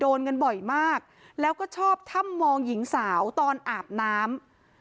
โดนกันบ่อยมากแล้วก็ชอบถ้ำมองหญิงสาวตอนอาบน้ำ